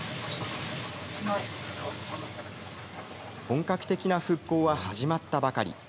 本格的な復興は始まったばかり。